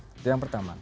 itu yang pertama